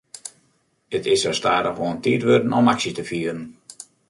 It is sa stadichoan tiid wurden om aksje te fieren.